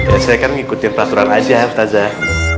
ya saya kan ngikutin peraturan aja ya ustadzah